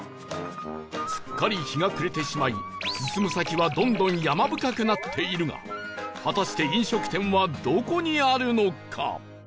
すっかり日が暮れてしまい進む先はどんどん山深くなっているが果たして飲食店はどこにあるのか？